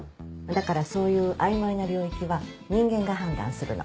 だからそういう曖昧な領域は人間が判断するの。